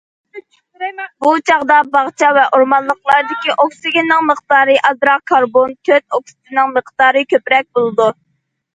بۇ چاغدا باغچە ۋە ئورمانلىقلاردىكى ئوكسىگېننىڭ مىقدارى ئازراق، كاربون تۆت ئوكسىدىنىڭ مىقدارى كۆپرەك بولىدۇ.